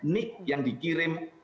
nic yang dikirim